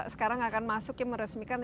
sekarang akan masuk ya meresmikan